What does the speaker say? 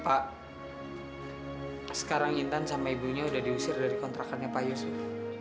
pak sekarang intan sama ibunya sudah diusir dari kontrakannya pak yusuf